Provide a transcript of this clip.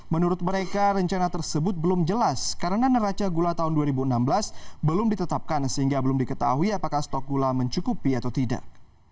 menurut mereka rencana tersebut belum jelas karena neraca gula tahun dua ribu enam belas belum ditetapkan sehingga belum diketahui apakah stok gula mencukupi atau tidak